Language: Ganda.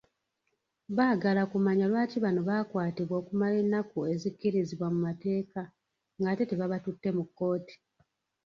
Baagala kumanya lwaki bano baakwatibwa okumala ennaku ezikkirizibwa mu mateeka ng'ate tebabatutte mu kkooti.